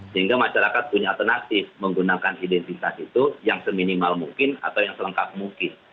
sehingga masyarakat punya alternatif menggunakan identitas itu yang seminimal mungkin atau yang selengkap mungkin